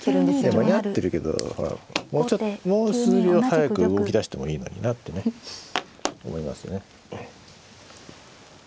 間に合ってるけどもう数秒早く動きだしてもいいのになってね思いますね。